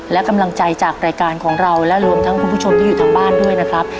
และกำลังใจจากรายการของเราและรวมทั้งคุณผู้ชมที่อยู่ทางบ้านด้วยนะครับ